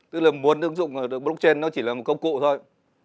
tức là muốn ứng dụng blockchain nó chỉ là một công cụ thôi